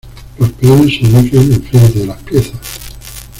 Los peones se ubican en frente de las piezas.